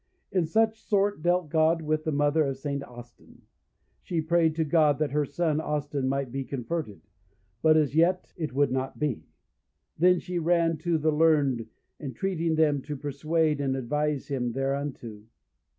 In such sort dealt God with the mother of St. Austin. She prayed to God that her son Austin might be converted, but, as yet, it would not be; then she ran to the learned, entreating them to persuade and advise him thereunto.